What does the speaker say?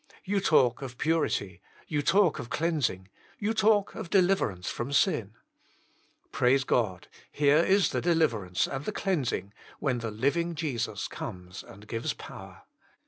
You talk of purity, you talk of cleansing, you talk of deliverance from sin. Praise God, here is the deliver ance and the cleansing, when the living Jesus comes and gives power.